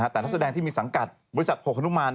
แต่นักแสดงที่มีสังกัดบริษัทโหฮนุมาน